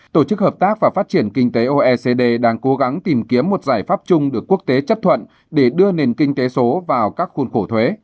tổ chức hợp tác và phát triển kinh tế oecd đang cố gắng tìm kiếm một giải pháp chung được quốc tế chấp thuận để đưa nền kinh tế số vào các khuôn khổ thuế